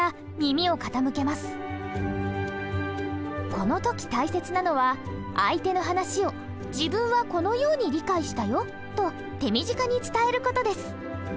この時大切なのは相手の話を「自分はこのように理解したよ」と手短に伝える事です。